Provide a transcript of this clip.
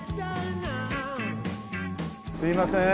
すいません。